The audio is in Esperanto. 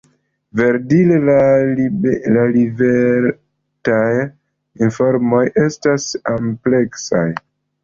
Verdire la liverataj informoj estas ampleksaj.